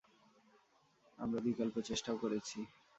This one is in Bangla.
আমরা বিকল্প চেষ্টাও করেছি।